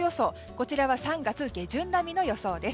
こちらは３月下旬並みの予想です。